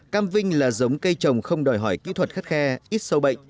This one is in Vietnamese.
cam vinh là giống cây trồng không đòi hỏi kỹ thuật khắt khe ít sâu bệnh